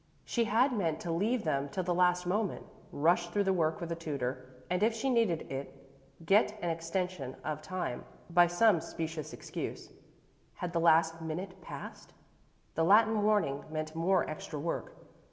She had meant to leave them till the last moment, rush through the work with a tutor, and if she needed it get an extension of time by some specious excuse. Had the last minute passed? The Latin warning meant more extra work.